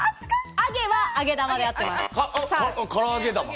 アゲは揚げ玉であってます。